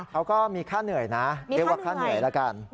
เขาก็มีค่าเหนื่อยนะเรียกว่าค่าเหนื่อยละกัน